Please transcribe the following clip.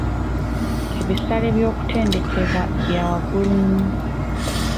Ebisale by'okutendekebwa bya waggulu nnyo.